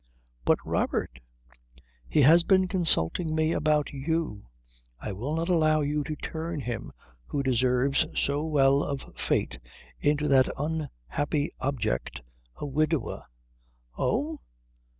"But Robert ?" "He has been consulting me about you. I will not allow you to turn him, who deserves so well of fate, into that unhappy object, a widower." "Oh?